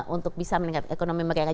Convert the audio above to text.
untuk bisa meningkat ekonomi mereka